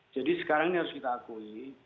jadi sekarang ini harus kita akui